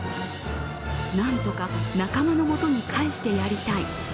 なんとか仲間のもとに帰してやりたい。